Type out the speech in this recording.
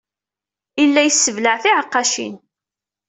Yella yesseblaɛ tiɛeqqacin.